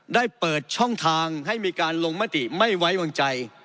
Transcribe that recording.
ได้เปิดช่องทางให้มีการลงมติไม่ไว้วางใจ